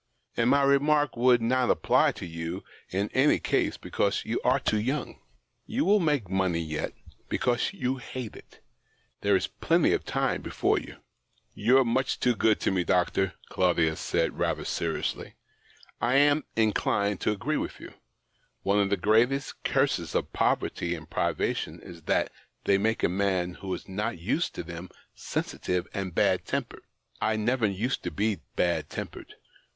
And my remark would not apply to you in any case, because you are too young. You will make money yet, because you hate it ; there is plenty of time before you." "You're much too good to me, doctor,"' Claudius said rather seriously. " I am in clined to agree with you : one of the greatest curses of poverty and privation is that they make a man who is not used to them sensitive and bad tempered. I never used to be bad tempered."